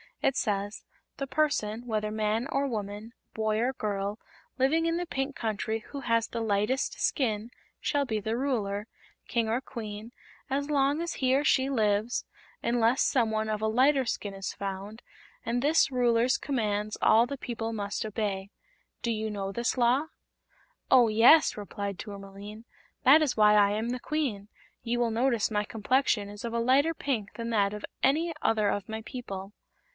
It says: 'The person, whether man or woman, boy or girl, living in the Pink Country who has the lightest skin, shall be the Ruler King or Queen as long as he or she lives, unless some one of a lighter skin is found, and this Ruler's commands all the people must obey.' Do you know this Law?" "Oh, yes," replied Tourmaline. "That is why I am the Queen. You will notice my complexion is of a lighter pink than that of any other of my people."